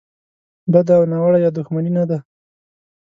بده او ناوړه یا دوښمني نه ده.